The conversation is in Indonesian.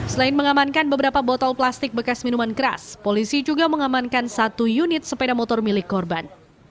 selain mengamankan beberapa botol plastik bekas minuman keras polisi juga mengamankan satu unit sepeda motor milik korban